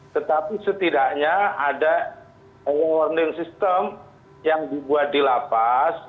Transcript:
tetapi setidaknya ada warning system yang dibuat di lapas